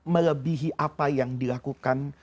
melebihi apa yang dilakukan